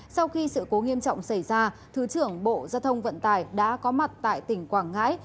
sau khi sự cố nghiêm trọng xảy ra thứ trưởng bộ giao thông vận tải đã có mặt tại tỉnh quảng ngãi